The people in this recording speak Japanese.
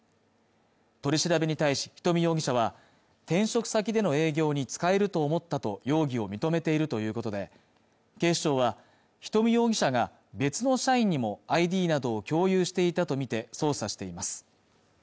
取り調べに対し人見容疑者は転職先での営業に使えると思ったと容疑を認めているということで警視庁は人見容疑者が別の社員にもＩＤなどを共有していたとみて捜査しています